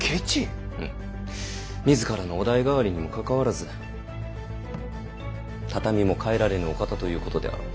自らのお代替わりにもかかわらず畳も替えられぬお方ということであろう。